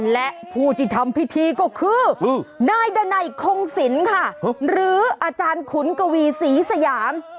และผู้ที่ทำพิธีก็คือนายดนัยคงศิลป์ค่ะหรืออาจารย์ขุนกวีศรีสยาม